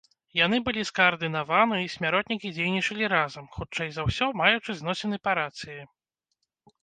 Яны былі скаардынаваны і смяротнікі дзейнічалі разам, хутчэй за ўсё, маючы зносіны па рацыі.